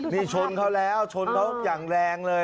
นี่ชนเขาแล้วชนเขาอย่างแรงเลย